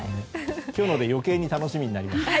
今日ので余計に楽しみになりました。